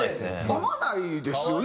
会わないですよね？